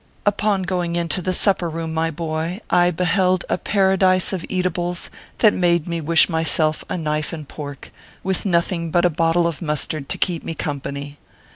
Upon going into the supper room, my boy, I be held a paradise of eatables that made me wish myself a knife and pork, with nothing but a bottle of mustard to keep me company.